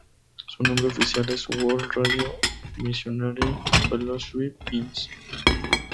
Su nombre oficial es "World Radio Missionary Fellowship, Inc".